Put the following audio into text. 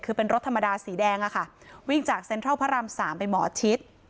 คือเป็นรถธรรมดาสีแดงอะค่ะวิ่งจากเซ็นทรัลพระรามสามไปหมอชิด